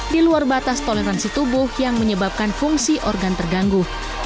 di luar batas toleransi tubuh yang menyebabkan fungsi organ terganggu